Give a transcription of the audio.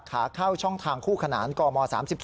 ขาเข้าช่องทางคู่ขนานกม๓๔